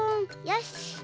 よし。